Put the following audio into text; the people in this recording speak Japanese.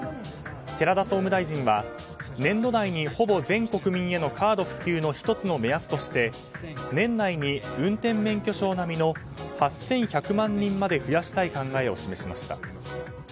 寺田総務大臣は年度内にほぼ全国民へのカード普及の１つの目安として年内に運転免許証並みの８１００万人まで増やしたい考えを示しました。